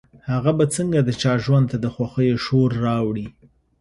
هغه به څنګه د چا ژوند ته د خوښيو شور راوړي.